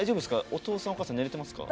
お父さん、お母さん寝れてますか？